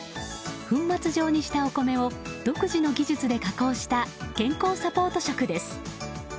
粉末状にしたお米を独自の技術で加工した健康サポート食です。